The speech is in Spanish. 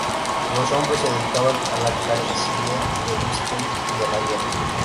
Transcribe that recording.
Los hombres se dedicaban a la cacería del bisonte y a la guerra.